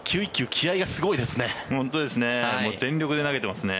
気合がすごいですね。